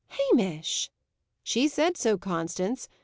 "Hamish!" "She said so, Constance.